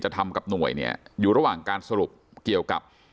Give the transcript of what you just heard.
ทำกับหน่วยเนี่ยอยู่ระหว่างการสรุปเกี่ยวกับ